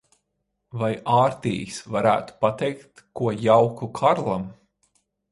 Vai Ārtijs varētu pateikt ko jauku Karlam?